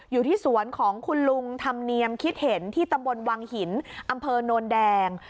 อยู่ที่สวนของคุณลุงธรรมเนียมคิดเห็นที่ตำบลวังหินอำเภอโนนแดง